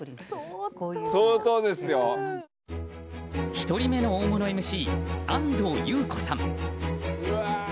１人目の大物ＭＣ安藤優子さん。